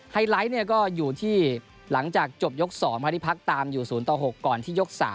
ไลท์ก็อยู่ที่หลังจากจบยก๒ฮาธิพักตามอยู่๐ต่อ๖ก่อนที่ยก๓